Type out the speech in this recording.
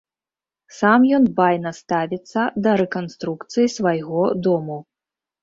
Сам ён дбайна ставіцца да рэканструкцыі свайго дому.